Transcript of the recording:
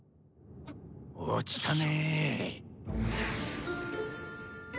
落ちたね。